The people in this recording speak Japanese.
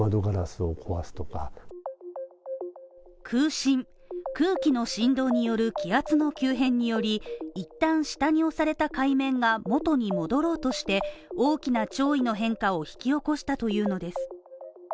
空振＝空気の振動による気圧の急変により一旦下に押された海面が元に戻ろうとして大きな潮位の変化を引き起こしたというのです。